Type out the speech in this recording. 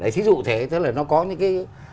thí dụ thế là nó có những cái